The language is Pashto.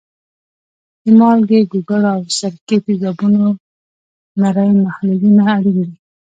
د مالګې، ګوګړو او سرکې تیزابونو نری محلولونه اړین دي.